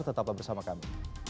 tetap bersama kami